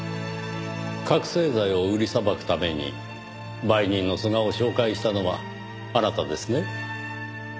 覚醒剤を売りさばくために売人の須賀を紹介したのはあなたですね？